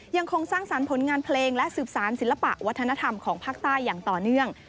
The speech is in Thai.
ยังคงสร้างสรรค์ผลงานเพลงและสืบสารศิลปะวัฒนธรรมของภาคใต้อย่างต่อเนื่อง